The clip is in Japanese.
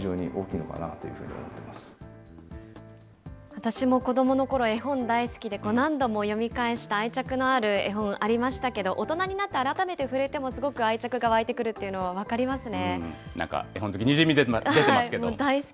私も子どものころ、絵本大好きで、何度も読み返した愛着のある絵本ありましたけど、大人になった改めて触れても、すごく愛着が湧いてくるというのは分かりますね。